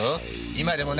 今でもな